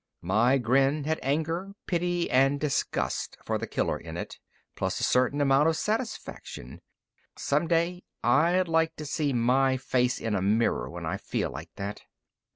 My grin had anger, pity, and disgust for the killer in it plus a certain amount of satisfaction. Some day, I'd like to see my face in a mirror when I feel like that.